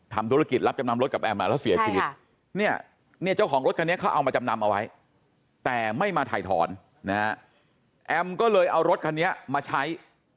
ทำธุรกิจรับจำนำรถกับแอมมาแล้วเสียชีวิตเนี่ยเนี่ยเจ้าของรถคันนี้เขาเอามาจำนำเอาไว้แต่ไม่มาถ่ายถอนนะฮะแอมก็เลยเอารถคันนี้มาใช้